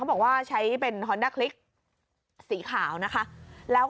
มันกลับมาที่สุดท้ายแล้วมันกลับมาที่สุดท้ายแล้ว